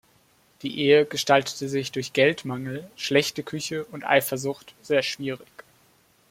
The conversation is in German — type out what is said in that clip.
Die Ehe gestaltete sich durch Geldmangel, schlechte Küche und Eifersucht sehr schwierig.